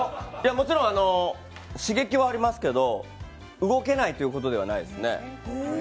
もちろん刺激はありますけれども、動けないということはありませんね。